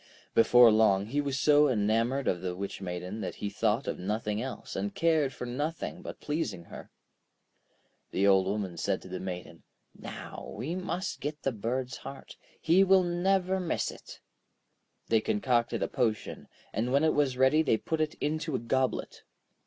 Before long, he was so enamoured of the Witch Maiden that he thought of nothing else, and cared for nothing but pleasing her. The Old Woman said to the Maiden: 'Now we must get the bird's heart, he will never miss it.' They concocted a potion, and when it was ready they put it into a goblet.